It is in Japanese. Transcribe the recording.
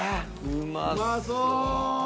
うまそう！